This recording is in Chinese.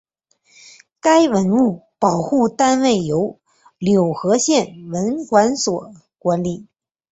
该文物保护单位由柳河县文管所管理。